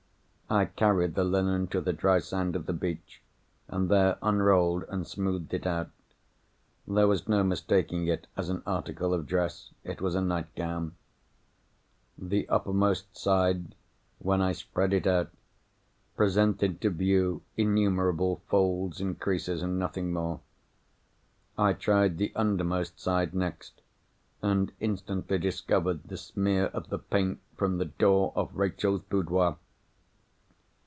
I carried the linen to the dry sand of the beach, and there unrolled and smoothed it out. There was no mistaking it as an article of dress. It was a nightgown. The uppermost side, when I spread it out, presented to view innumerable folds and creases, and nothing more. I tried the undermost side, next—and instantly discovered the smear of the paint from the door of Rachel's boudoir!